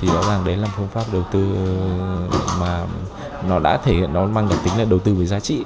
thì rõ ràng đấy là một phương pháp đầu tư mà nó đã thể hiện nó mang được tính là đầu tư về giá trị